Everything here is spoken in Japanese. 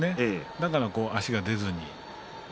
だから足が出ずに。